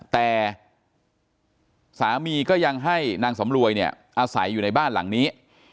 แต่สามีก็ยังให้นางสำรวยเนี่ยอาศัยอยู่ในบ้านหลังนี้